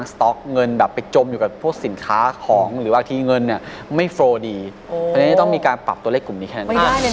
ไม่ใช่ว่าเรายังเข้งเหงาเราจะไปหาลูกค้าที่ไหน